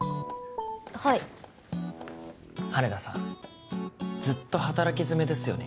はい羽田さんずっと働きづめですよね？